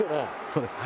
そうです。